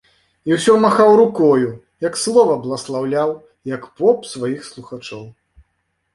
— і ўсё махаў рукою, як слова бласлаўляў, як поп, сваіх слухачоў.